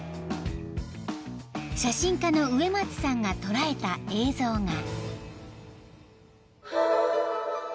［写真家の上松さんが捉えた映像が］